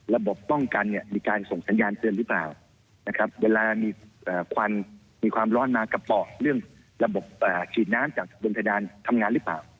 ระบบป้องกันเนี่ยมีการส่งสัญญาณเตือนหรือเปล่านะครับเวลามีควันมีความร้อนมากระเป๋าเรื่องระบบฉีดน้ำจากบนเพดานทำงานหรือเปล่า